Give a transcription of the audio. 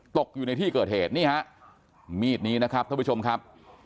ตกอยู่ในที่เกิดเหตุนี่ฮะมีดนี้นะครับท่านผู้ชมครับ